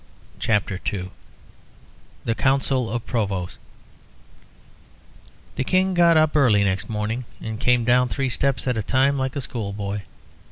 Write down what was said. CHAPTER II The Council of the Provosts The King got up early next morning and came down three steps at a time like a schoolboy.